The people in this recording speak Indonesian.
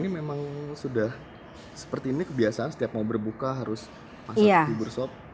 memang sudah seperti ini kebiasaan setiap mau berbuka harus masak bubur sup